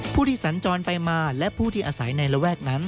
ผู้ที่สัญจรไปมาและผู้ที่อาศัยในระแวกนั้น